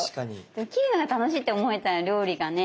でも切るのが楽しいって思えたら料理がね